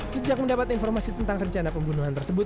sejak mendapat informasi tentang rencana pembunuhan tersebut